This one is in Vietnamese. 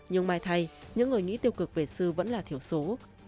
nhưng mai thay những người nghĩ tiêu cực về sư vẫn là thiểu số